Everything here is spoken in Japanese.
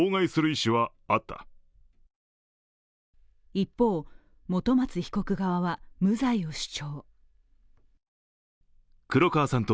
一方、本松被告側は無罪を主張。